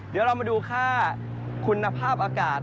เดี๋ยวเรามาดูค่าคุณภาพอากาศ